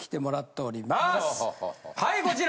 はいこちら！